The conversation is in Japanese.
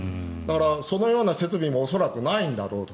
そのような設備も恐らくないんだろうと。